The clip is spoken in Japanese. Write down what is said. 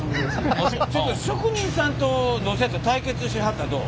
ちょっと職人さんとどうせやったら対決しはったらどう？